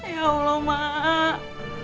ya allah mak